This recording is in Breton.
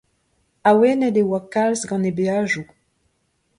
Awenet e oa kalz gant he beajoù.